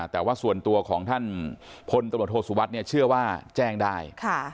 แต่ว่าส่วนตัวของท่านพลตำรวจโทษสุวัสดิ์เนี่ยเชื่อว่าแจ้งได้